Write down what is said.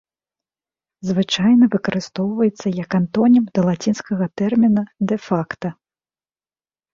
Звычайна выкарыстоўваецца як антонім да лацінскага тэрміна дэ-факта.